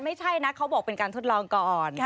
ไม่ใช่นะเขาบอกเป็นการทดลองก่อน